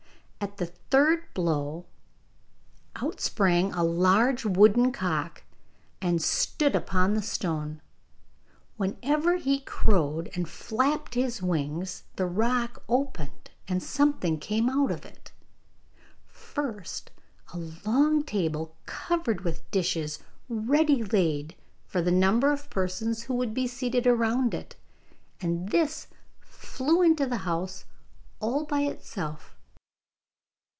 At the third blow, out sprang a large golden cock, and stood upon the stone. Whenever he crowed and flapped his wings the rock opened and something came out of it. First a long table covered with dishes ready laid for the number of persons who would be seated round it, and this flew into the house all by itself.